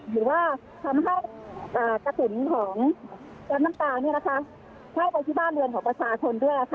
ยังทงยิงกันอย่างต่อเนื่องแล้วก็การสวดเนี่ยด้วยความที่ลมเนี่ยมันอ่า